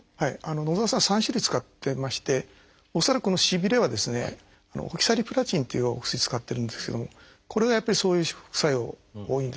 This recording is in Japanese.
野澤さんは３種類使ってまして恐らくこのしびれはですね「オキサリプラチン」っていうお薬使ってるんですけどもこれがやっぱりそういう副作用多いんですね。